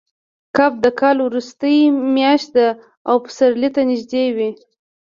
کب د کال وروستۍ میاشت ده او پسرلي ته نږدې وي.